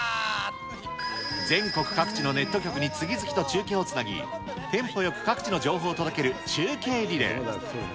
全国各地のネット局に次々と中継をつなぎ、テンポよく各地の情報を届ける中継リレー。